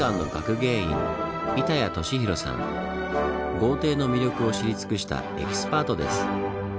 豪邸の魅力を知り尽くしたエキスパートです。